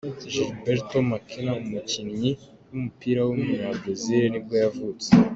Gilberto Macena, umukinnyi w’umupira w’umunyabrazil nibwo yavutse.